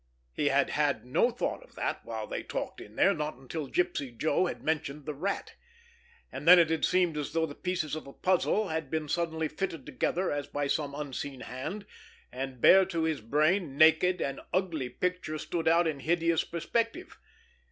He had had no thought of that while they talked in there, not until Gypsy Joe had mentioned the Rat. And then it had seemed as though the pieces of a puzzle had been suddenly fitted together as by some unseen hand, and bare to his brain, naked, an ugly picture stood out in hideous perspective.